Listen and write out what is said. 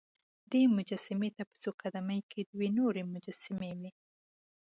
دې مجسمې ته په څو قد مې کې دوه نورې مجسمې وې.